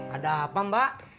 ada apa mbak